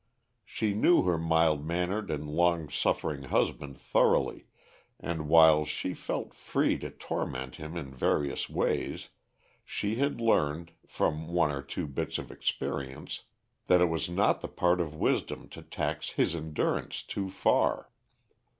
She knew her mild mannered and long suffering husband thoroughly, and, while she felt free to torment him in various ways, she had learned, from one or two bits of experience, that it was not the part of wisdom to tax his endurance too far.